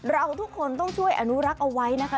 เราทุกคนต้องช่วยอนุรักษ์เอาไว้นะคะ